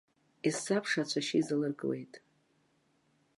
Ес сабша ацәашьы изалыркуеит.